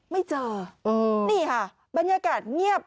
ไม่เจอนี่ค่ะบรรยากาศเงียบ